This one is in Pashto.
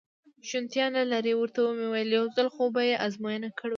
شونېتیا نه لري، ورته مې وویل: یو ځل خو به یې ازموینه کړو.